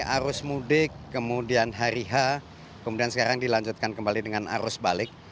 arus mudik kemudian hari h kemudian sekarang dilanjutkan kembali dengan arus balik